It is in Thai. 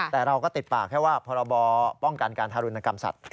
แต่เราก็ติดปากแค่ว่าพรบป้องกันการทารุณกรรมสัตว